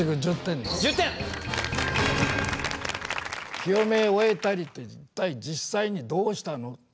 「清め終えたり」って実際にどうしたの？